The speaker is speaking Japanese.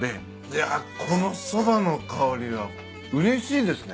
いやこのそばの香りはうれしいですね。